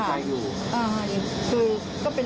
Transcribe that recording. แล้วก็ไม่พบ